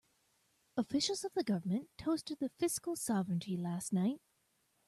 Officials of the government toasted the fiscal sovereignty last night.